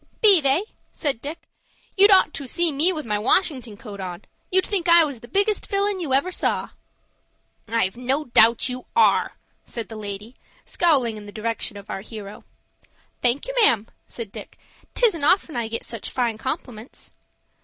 "Be they?" said Dick. "You'd ought to see me with my Washington coat on. You'd think I was the biggest villain ever you saw." "I've no doubt you are," said the lady, scowling in the direction of our hero. "Thank you, ma'am," said Dick. "'Tisn't often I get such fine compliments."